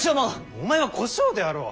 お前は小姓であろう。